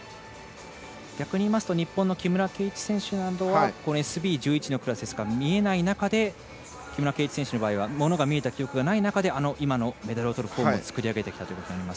日本の木村敬一選手などはＳＢ１１のクラスですから見えない中で木村敬一選手の場合はものが見えた記憶がない中でメダルをとるフォームを作り上げてきたということです。